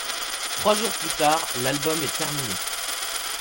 Trois jours plus tard, l'album est terminé.